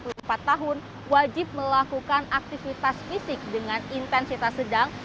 orang yang berusia delapan belas hingga enam puluh empat tahun wajib melakukan aktivitas fisik dengan intensitas sedang